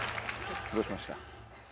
どうしました？